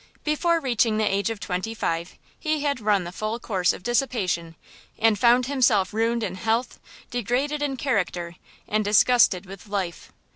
Before reaching the age of twenty five he had run the full course of dissipation, and found himself ruined in health, degraded in character and disgusted with life.